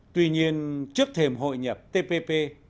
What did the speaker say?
tuy nhiên trước thềm hội nhập tpp